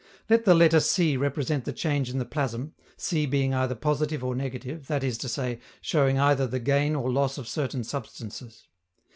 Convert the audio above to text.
Let the letter C represent the change in the plasm, C being either positive or negative, that is to say, showing either the gain or loss of certain substances.